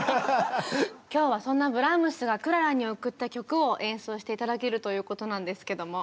今日はそんなブラームスがクララに贈った曲を演奏して頂けるということなんですけども。